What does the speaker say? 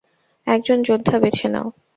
একজন যোদ্ধা বেছে নাও।